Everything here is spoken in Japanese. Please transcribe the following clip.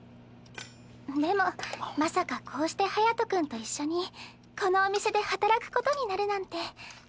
でもまさかこうして隼君と一緒にこのお店で働くことになるなんて。